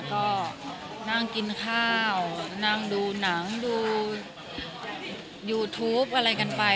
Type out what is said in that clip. ก็นั่งกินข้าวนั่งดูหนังดูยูทูปอะไรกันไป